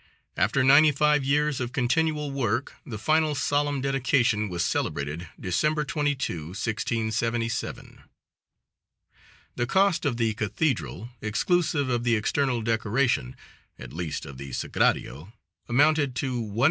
After ninety five years of continual work, the final solemn dedication was celebrated December 22, 1677. The cost of the cathedral, exclusive of the external decoration, at least of the Sagrario, amounted to $1,752.